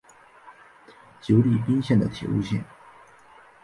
久里滨线的铁路线。